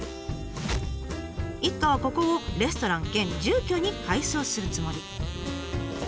一家はここをレストラン兼住居に改装するつもり。